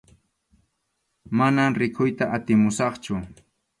Manam rikuyta atisunmanchu.